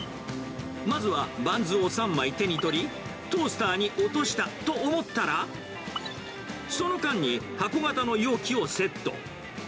まずはバンズを３枚手に取り、トースターに落としたと思ったら、その間に箱形の容器をセット。